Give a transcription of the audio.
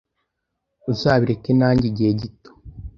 Uzabireka nanjye igihe gito?